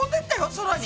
空に。